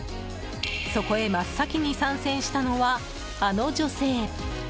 そこへ真っ先に参戦したのはあの女性。